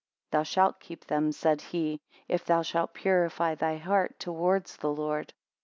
36 Thou shalt keep them, said he, if thou shalt purify thy heart towards the Lord.